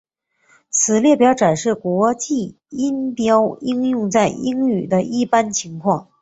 此列表展示国际音标应用在英语的一般情况。